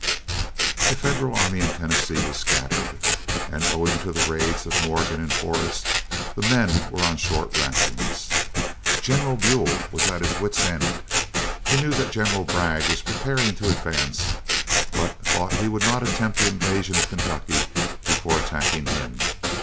The Federal army in Tennessee was scattered, and owing to the raids of Morgan and Forrest, the men were on short rations. General Buell was at his wits' end. He knew that General Bragg was preparing to advance, but thought he would not attempt the invasion of Kentucky before attacking him.